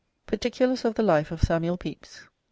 PARTICULARS OF THE LIFE OF SAMUEL PEPYS.